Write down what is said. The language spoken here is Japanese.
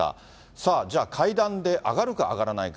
さあ、じゃあ、階段で上がるか、上がらないか。